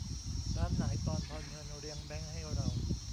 ร้านไหนตอนทอนเงินเรียงแบงก์ให้เรา